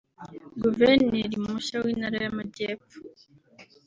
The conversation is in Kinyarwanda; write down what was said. Guverineri mushya w’Intara y’Amajyepfo